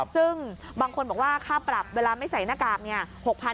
ซึ่งบางคนบอกว่าค่าปรับเวลาไม่ใส่หน้ากากเนี่ย